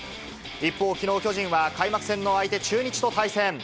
一方、きのう巨人は、開幕戦の相手、中日と対戦。